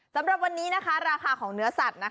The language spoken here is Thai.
สำหรับวันนี้ราคาของเนื้อสัตว์